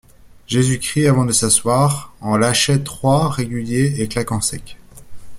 Jésus-Christ, avant de s’asseoir, en lâchait trois, réguliers et claquant sec.